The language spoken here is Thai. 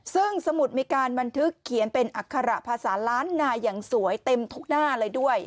ซึ่งสมุดมีการบันทึกเขียนเป็นอัคระภาษาล้านนาอย่างสวยเต็มทุกหน้าเลยด้วย